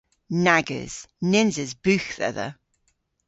Nag eus. Nyns eus bugh dhedha.